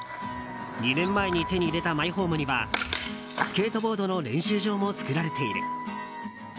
２年前に手に入れたマイホームにはスケートボードの練習場も作られている。